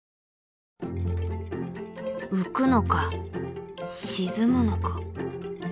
浮くのか沈むのか。